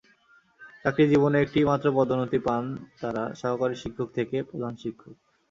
চাকরিজীবনে একটি মাত্র পদোন্নতি পান তাঁরা, সহকারী শিক্ষক থেকে প্রধান শিক্ষক।